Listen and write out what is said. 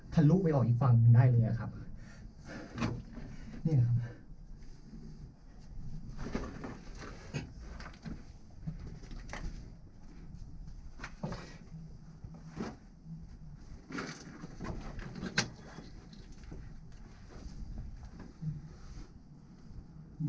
ทะลุไปออกอีกฝั่งได้เลยนะครับเนี่ยครับ